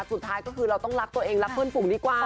สุดท้ายก็คือเราต้องรักตัวเองรักเพื่อนฝูงดีกว่า